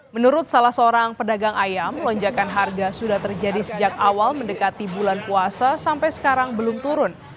menurut salah seorang pedagang ayam lonjakan harga sudah terjadi sejak awal mendekati bulan puasa sampai sekarang belum turun